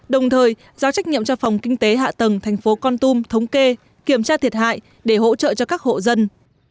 đồng thời giao trách nhiệm cho phòng kinh tế hạ tầng thành phố con tum thống kê kiểm tra thiệt hại để hỗ trợ cho các hộ dân